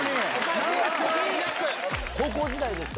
高校時代ですか？